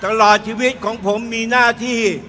ตลอดชีวิตของผมมีหน้าที่